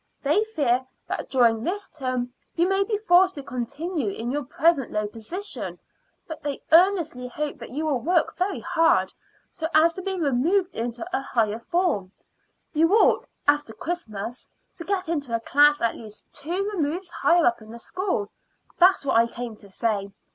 They fear that during this term you may be forced to continue in your present low position; but they earnestly hope that you will work very hard, so as to be removed into a higher form. You ought, after Christmas, to get into a class at least two removes higher up in the school. That is what I came to say.